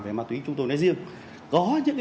về ma túy chúng tôi nói riêng có những